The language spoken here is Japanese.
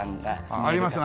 ありますね。